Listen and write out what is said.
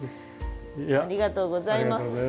ありがとうございます。